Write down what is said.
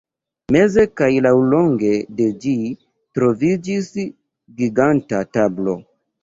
Meze kaj laŭlonge de ĝi troviĝis giganta tablo.